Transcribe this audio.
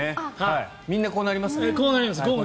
みんなこうなりますね。